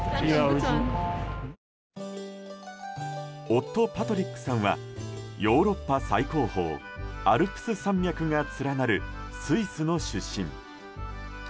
夫パトリックさんはヨーロッパ最高峰アルプス山脈が連なるスイスの出身。